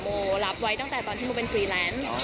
โบรับไว้ตั้งแต่ตอนที่โมเป็นฟรีแลนซ์